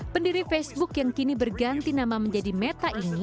pendiri facebook yang kini berganti nama menjadi meta ini